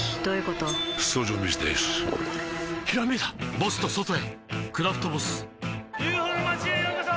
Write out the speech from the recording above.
ボスと外へ「クラフトボス」ＵＦＯの町へようこそ！